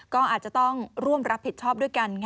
ก็อาจจะต้องร่วมรับผิดชอบด้วยกัน